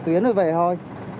tuyến rồi về thôi